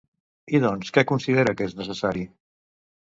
I doncs, què considera que és necessari?